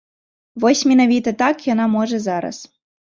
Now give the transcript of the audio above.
Вось менавіта так яна можа зараз.